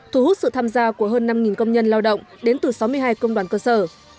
thu hút sự tham gia của hơn năm công nhân lao động đến từ sáu mươi hai công đoàn cơ sở